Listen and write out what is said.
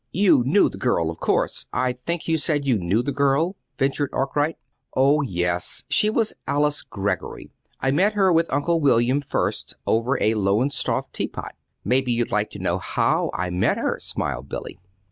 "You knew the girl, of course I think you said you knew the girl," ventured Arkwright. "Oh, yes. She was Alice Greggory. I met her with Uncle William first, over a Lowestoft teapot. Maybe you'd like to know how I met her," smiled Billy.